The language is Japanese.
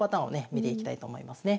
見ていきたいと思いますね。